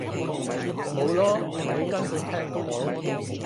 冇囉！你根本聽唔到！